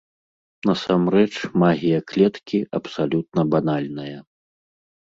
Насамрэч, магія клеткі абсалютна банальная.